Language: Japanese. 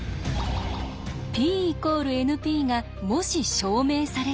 Ｐ＝ＮＰがもし証明されたら。